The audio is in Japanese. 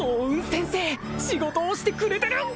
先生仕事をしてくれてる！